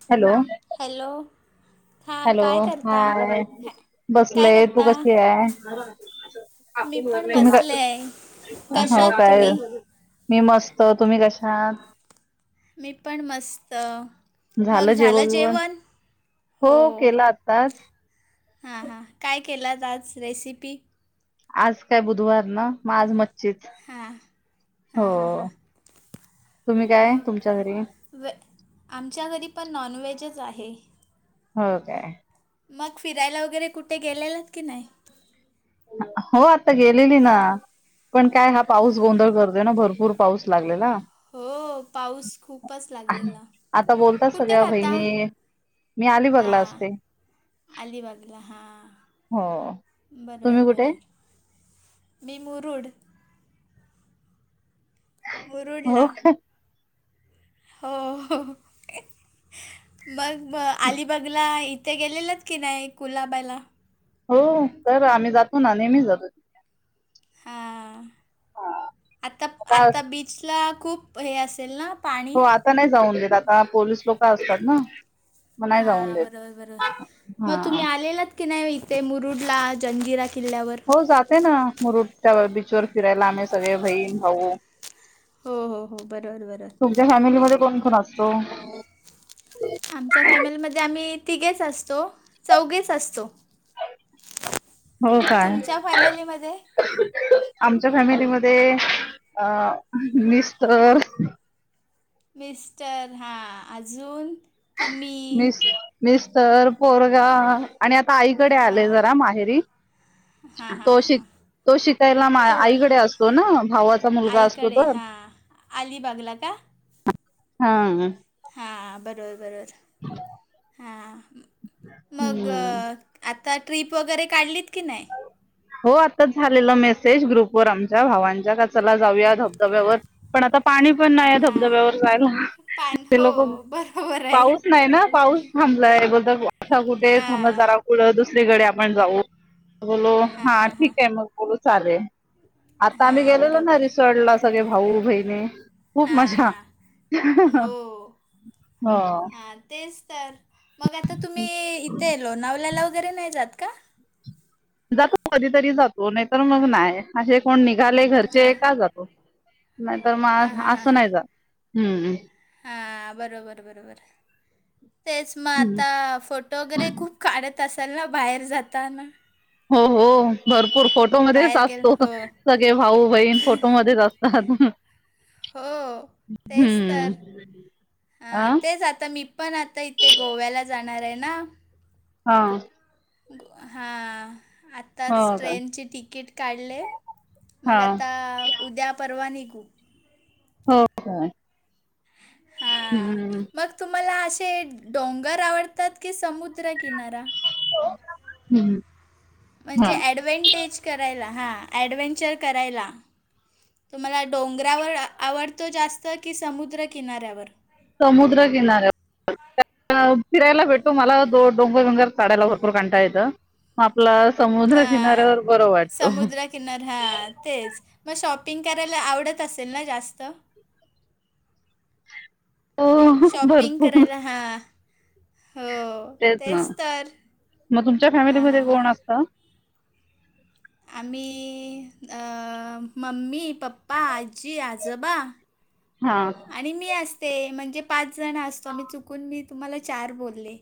Hello. Hello? हां hello? काय करता हाय. हॅ काय बसलय तू करता कशीय? तुम्ही काय हो कशात काय तुम्ही? मी मस्त तुम्ही कशा आहात? मी पण मस्त. मग झालं जेवण? हो. आत्ताच हां हां. काय केलात आज रेसिपी? आज काय बुधवार ना? मग आज म हां [inaudible] हो हां हां हां तुम्ही काय मग तुमच्या घरी? वे आमच्या घरी पण नॉनव्हेजच आहे. हो काय? मग फिरायला वगैरे कुठे गेलेलात की नाई? हो आत्ता गेलेली ना. पण काय हा पाऊस गोंधळ करतोय ना भरपूर. पाऊस लागलेला हो पाऊस खूपच लागलेला. आता बोलतात कुठे सगळ्या राहता? बहिणी मी अलिबागला हां असते. अलिबागला हा. हो तुम्ही बरोबर कुठे बरोबर. मी मुरुड. हो मुरुडला. का हो होह मग बग अलिबगला ते गेलेलात की नाही कुलाबाला? हो तर आम्ही जातो ना नेहमी जातो. हां हा. आता आता बीचला खूप हे असेल ना? पाणी हो आता नाही जाऊन देत आता पोलीस लोक असतात ना? मग नाही जाऊन हा देत बरोबर बरोबर मग हा तुम्ही आलेलात की नाही इथे मुरुडला जंजिरा किल्ल्यावर. हो जाते ना मुरुड च्या बीचवर फिरायला आम्ही सगळे बहीण भाऊ. हो हो हो बरोबर बरोबर. तुमच्या फॅमिलीमध्ये कोण कोण असतो? आमच्या फॅमिलीमध्ये आम्ही तिघेच असतो चौघेच असतो. [inaudible] हो काय? तुमच्या फॅमिलीमध्ये आमच्या फॅमिलीमध्ये अ मिस्टर मिस्टर हां अजून तुम्ही मिस्टर पोरगा आणि आता, आई इकडे आले जरा माहेरी हा हा तो हा शिक हा तो शिकायला मा आईकडे असतो ना भावाचा मुलगा असतो तर अलीबागला का? हम्. हां बरोबर बरोबर हां मग हम्म आता ट्रीप वगैरे काढलीत की नाही? हो आताच झालेला मेसेज ग्रुपवरर आमच्या भावांच्या कचाला जाऊया धबधब्यावर पण आता पाणी पण नाही हां धबधब्यावर जायला पान ते हो लोक बरोबर आहे पाऊस नाही ना पाऊस थांबलंय बोलत असा कुठे थांबलंत हां जरा कुठं दुसरीकडे आपण जाऊ बोलो हां हा हां हां ठीक आहे मग बोलू चालेल आता आम्ही हां गेलेलो ना बरोबर रिसॉर्ट ला सगळे भाऊ बहिणी खूप हां मजा हां हो हो हां तेच तर मग आता तुम्ही इथे येलो नवल्याला वगैरे नाही जात का जातो कधीतरी जातो नाहीतर मग नाही असे कोण निघाले हां घरचे का जातो नाहीतर हां मग हां हां असं हां नाही जात, हं हां बरोबर बरोबर तेच मग हम्म आता फोट वगैरे खूप काढत असाल ना बाहेर जाताना हो हो भरपूर खोट फोटो मध्येच बाहेर गेल असतो हो सगळे भाऊ बहीण फोटो मध्येच असतात हो तेच हम्म तर ह आ तेच आता मी पण आता इथे गोव्याला जाणार आहे ना हा ग हां आ आताच हो का ट्रेनची तिकीट काढले मग हा आता उद्या परवा निघू हो हो हां मग तुम्हाला असे डोंगर आवडतात की समुद्रकिनारा हम्म हा म्हणजे ॲडव्हेंटेज करायला हा ॲडवेहेंचर करायला तुम्हाला डोंगरावर आवडतो जास्त की समुद्रकिनाऱ्यावर समुद्र किनार्या फिरायला भेटो मला दो डोंगर ंगर चचाढायला भरपूर काांटा येतं आपला समुद्रकिनाऱ्यावर बरं वाटत किन हा तेच मग शॉपिंग करायला आवडत असेल ना जास्त हो शॉपिंग भरपूर करायला हा तेच ना मग तुमच्या हां हां फॅमिलीमध्ये हां कोण असत आमही मम्मी पप्पा आजी आजोबा ह हा आणि मी असते म्हणजे पाच जण असतो मी चुकून मी तुम्हाला चार बोलले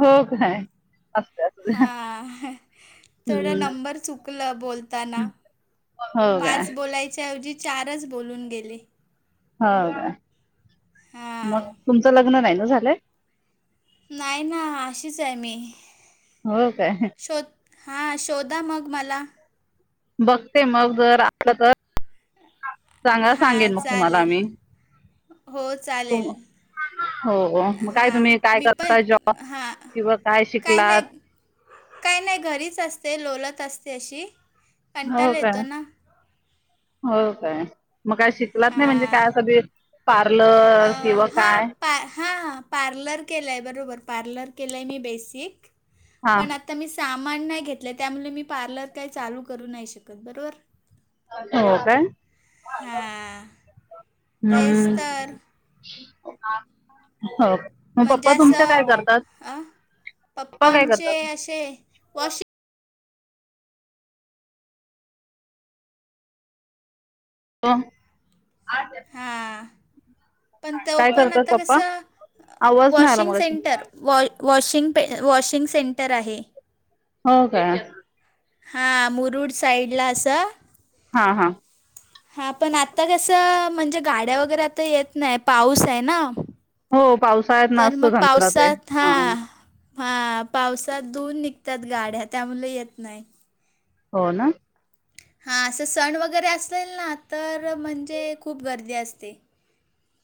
हो काय असत अस ड नंबर चुकलं बोलताना हो काय पाच बोलायच्याऐवजी चारच बोलून गेले हो का मग हां तुमचं लग्न नाही ना झालंय नाही ना अशीच आहे मी हो काय शोध हां शोधा मग मला बघते मग जर आलं तर चांगा हां सांगेन मग तुम्हाला चालेल मी हो चालेल. हो मग काय हां तुम्ही काय मी पण करता जॉब हां किंवा काय शिकलात. काय नाही घरीच असते ललत असते अशी हो कंटाळा काय येतो ना हो काय मग काय शिकलात नाही म्हणजे हां काय? पार्लर किंवा काय प हां पार्लर केला आहे बरोबर पार्लर केला आहे मी बेसिक हा पण आता आता मी सामान नाही घेतलं त्यामुळे मी पार्लर काही चालू करू नाही शकत बरोबर हो काय हां तेच हम तर हो मग म्हणजे पप्पा तुमच्या असं काय करतात पप्प पप्पा काय आमचे करतात असे वॉशिंग हो. हां पण ते काय पण करतात आता पप्पा कसं आवाज नाही आला वॉशिंग मगाशी सेंटर वॉ वॉशिंग पे वॉशिंग सेंटर आहे. हो का? हा मुरुड साईड ला असा. हा हा. हा पण आता कसं म्हणजे गाड्या वगैरे आता येत नाही पाऊस आहे ना. हो पावसाळ्यात ना तर असतो मग धंदा ते पावसात हा हां. हा पावसात दुून निघतात गाड्या त्यामुळे येत नाही. हो ना. हां असं सण वगैरे असेल ना तर म्हणजे खूप गर्दी असते.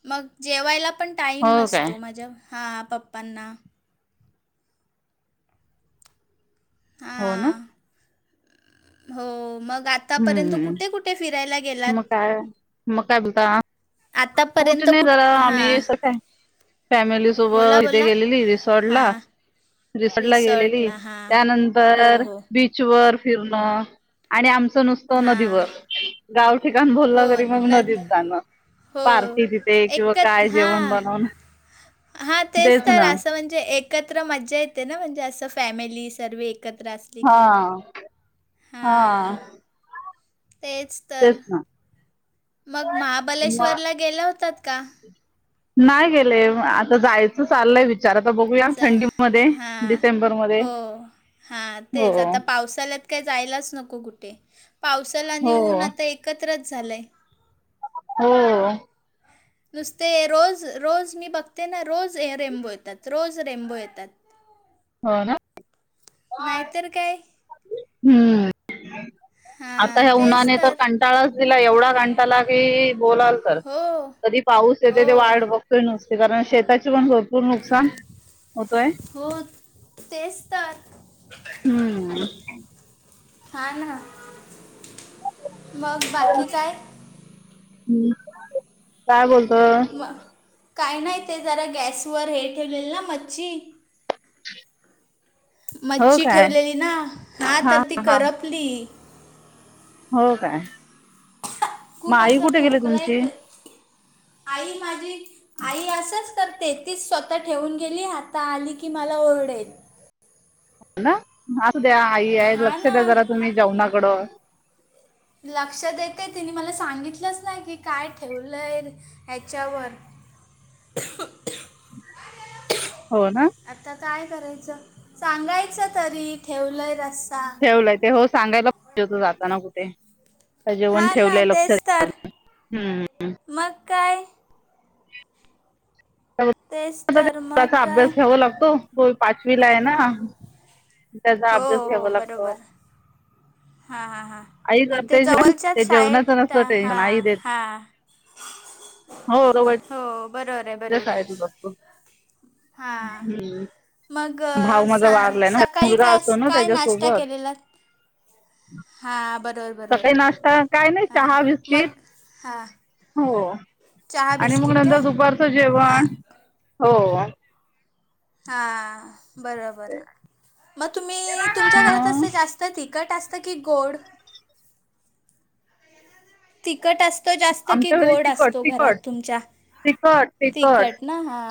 मग जेवायला पण टाईम हो काय नसतो माझ्या हा पप्पांना हो ना. हां हो मग आतापर्यंत कुठे कुठे फिरायला म गेलात काय म काय बोलता कुठे आतापर्यंत नाही कुठ जरा आम्ही हां स फॅमिली सुब बोला इथे बोला गेलेली रिसॉर्ट ला हां रिसोर्ट ला गेलेली रिसॉर्टला हां हो त्यानंतर हो बीच च वर फिरणं आणि आमचं नुसतं हां नदीवर गाव ठिकाण हो बोललं तरी मग न नदीच जाणं. हो पार्टी तिथे किंवा काय जेवण बनवून हा तेच तर असं म्हणजे एक एकत्र मजा येते ना म्हणजे असं फॅमिली सर्व एकत्र अस. हा हा. तेच तर तेच ना. मग मग महाबलेश्वरला गेल्या होतात का? नाही गेले आता जायचं चाललंय विचार बघ जाय थंडीमध्ये डिसेंबर. हो. हा तेच आता पावसाळ्यात काय जायलाच नको कुठे पावसाला हो नऊन आता एक एकत्रच झाले. हो. नुसते रोज रोज मी बघते ना रोज रेम्बो येतात रोज रेम्बो येतात. हो ना. नाहीतर काय? हम्म. आता हां ह्या तेच उन्हाने तर कंटाळाच दिला एवढा कंटाला की बोलाल तर हो कधी पाऊस हो येतोय... ती वाट बघतोय नुसती... कारण शेताची पण भरपूर नुकसान होतोय... हो तेच तर हम्म हा ना... मग बाकी काय? हम्म, काय बोलतो? मग काही नाही ते जरा गॅसवर हे ठेवलेल ना मच्छी हो मच्छी काय ठेवलेली ना हा तर ती हा, हा करपली. हो काय मग खूप आई असं कुठे गेली खोकला तुमची? येतोय. आई माझी आई असच. तर ते तीच स्वतः ठेवून गेली, आता आली की मला ओरडेल ना, आत्या... आई ए, हा लक्ष द्या ना. जरा तुम्ही जेवणाकडं लक्षात येतंय, तिने मला सांगितलंच नाई की काय ठेवलंय ह्याच्यावर [unintelligible] हो ना आता काय करायचं? सांगायचं तरी ठेवलंय रस्सा हो... सांगायला पाहिजे होतं जाताना कुठे जेवण हा ना ठेवलंय लक्ष तेच तर. [unintelligible] हम्म मग काय? तेच तर मग [unintelligible] काय? अभ्यास घ्यावा लागतो... तो पाचवीला ए ना त्याचा अभ्यास घ्यावा लागतो. हा, हा, हा आई इथं करते जेवण ते जवलच्याच जेवणाचं शाळेत... नसतं टेन्शन हा... आई देते हा हो [unintelligible] बरोबर आहे. [unintelligible] हा हम्म.. मग भाऊ स... माझा वारलाय ना सकाळी मुलगा का... असतो ना काय नाश्ता त्याच्यासोबत केलेलात? सकाळी नाश्ता काय नाई... हां चहा मग बिस्किट हां. हो... चहा आणि मग बिस्किट काय नंतर दुपारचं हां जेवण, हो हा... बरोबर. मग तुम्ही तुमच्या घरात मग असं जास्त तर तिखट असतं की गोड? तिखट अस तो जास्त कि आमच्या घरी गोड तिखट असतो, तिखट घरात तुमच्या? तिखट ना... हा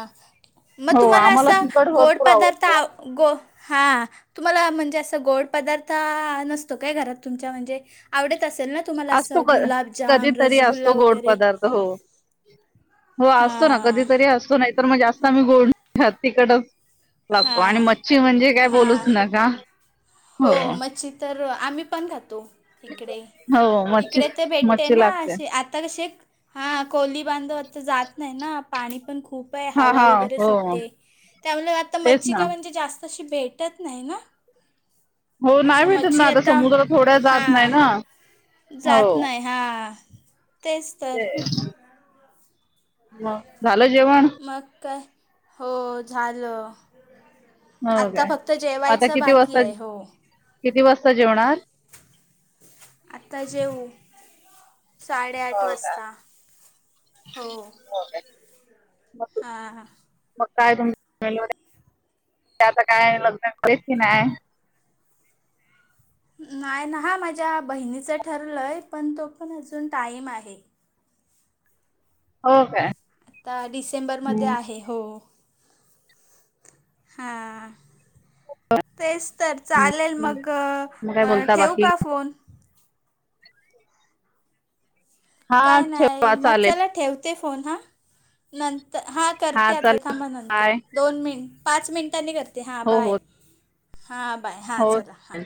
मग हो तुम्हाला आम्हाला असा... तिखट गोड भरपूर पदार्थ, आवडतो आ.. गो... हा तुम्हाला म्हणजे असं गोड पदार्थ... नसतो काय घरात तुमच्या म्हणजे आवडत असेल ना तुम्हाला, असतो असं क गुलाबजाम, कधीतरी रसगुल्ला असतो गोड वगैरे पदार्थ हो... हो असतो ना, हां कधीतरी असतो. नाहीतर मग जास्त कमी गोड [unintelligible] तिखटच [unintelligible] आणि हां मच्छी म्हणजे काय बोलूच हां नका हो, मच्छी तर... आम्ही पण खातो. इकडे... हो मच्छी इकडे तर भेटते मच्छी ना, लागते अशे.. आता कशे हा... कोली बांधव तर जात नाही ना... पाणी पण खूप बाय हा हवा हा वगैरे हो सुटते, त्यामुळे आता तेच मच्छी ना काय म्हणजे जास्त अशी भेटत नाही ना? हो नाही असं भेटत ना मच्छी आता... समुद्र थोड्या जात नाही हां, ना हो जात नाही, हां तेच तर [unintelligible] झालं जेवण? मग काय... हो झालं हो आता काय फक्त मग आता जेवायचं किती बाकी वाजता ए... हो किती वासता जेवणार? आता जेऊ. साडेआठ हो काय वासता... हो [unintelligible] [unintelligible] हां मग काय [unintelligible] आता काय लग्न केलं की नाय? नाय ना. हा, माझ्या बहिणीचं ठरलंय, पण तो पण अजून टाईम आहे. हो काय? आता डिसेंबरमध्ये आहे... हो... हां. तेच तर... चालेल मग... मग काय बोलता ठेवू बाकी का फोन? हा काय ठेवा नाही मग चालेल चला ठेवते फोन हा नंतर हा करते आता चालेल थांमा नंतर बाय दोन मिनट पाच मिनटांनी करते हां हो बाय हो हां बाय हां हो चला हां